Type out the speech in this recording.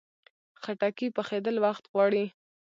خټکی پخېدل وخت غواړي.